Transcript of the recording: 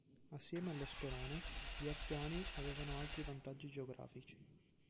Assieme allo sperone, gli afghani avevano altri vantaggi geografici.